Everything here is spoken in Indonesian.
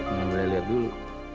ini boleh lihat dulu